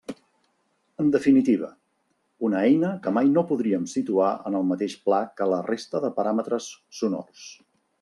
En definitiva: una eina que mai no podríem situar en el mateix pla que la resta de paràmetres sonors.